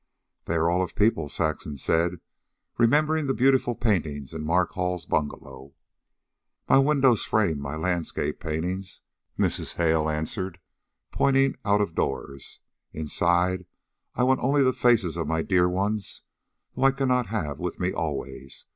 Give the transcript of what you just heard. "They are all of people," Saxon said, remembering the beautiful paintings in Mark Hall's bungalow. "My windows frame my landscape paintings," Mrs. Hale answered, pointing out of doors. "Inside I want only the faces of my dear ones whom I cannot have with me always.